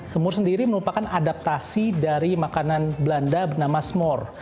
semur sendiri merupakan adaptasi dari makanan belanda bernama semur